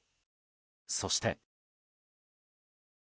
そして。